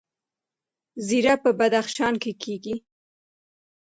زیره په بدخشان کې کیږي